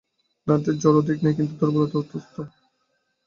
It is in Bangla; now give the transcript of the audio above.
নাড়িতে জ্বর অধিক নাই, কিন্তু দুর্বলতা অত্যন্ত।